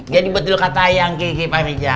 jadi betul kata ayang kiki pak riza